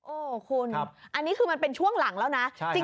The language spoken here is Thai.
โอ้คุณครับอันนี้คือมันเป็นช่วงหลังแล้วนะใช่ครับ